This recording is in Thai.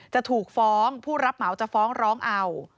จะถูกฟ้องผู้รับเหมาจะฟ้องร้องเอา